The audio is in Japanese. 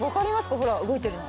ほら動いてるの。